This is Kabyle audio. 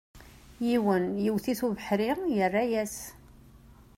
Yiwen, yewwet-it ubeḥri, yerra-yas.